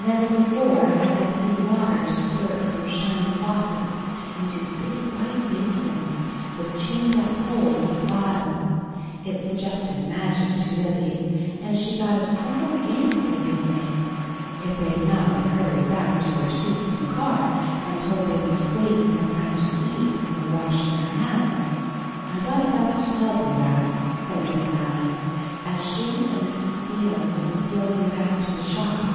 Never before had they seen water spurt from shining faucets into big white basins with chained up holes at the bottom. It suggested magic to Libby, and she thought of several games they could have made, if they had not been hurried back to their seats in the car, and told that they must wait until time to eat, before washing their hands. "I thought best to tell them that," said Miss Sally, as she and Mrs. Neal went slowly back to the shop.